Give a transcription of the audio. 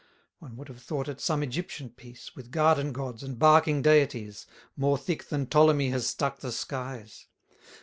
One would have thought it some Egyptian piece, With garden gods, and barking deities, More thick than Ptolemy has stuck the skies.